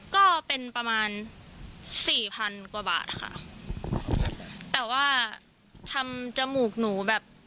ก็เป็นประมาณสี่พันกว่าบาทค่ะแต่ว่าทำจมูกหนูแบบ